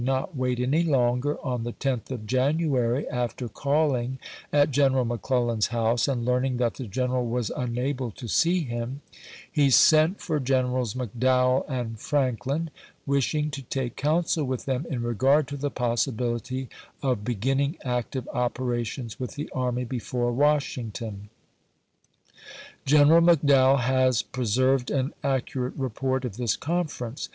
not wait any longer, on the 10th of January, after calling at Greneral McClellan's house and learning that the general was unable to see him, he sent for Generals McDowell and Franklin, wishing to take counsel with them in regard to the possibility of beginning active operations with the army before Washington. General McDowell has preserved an accurate report of this conference.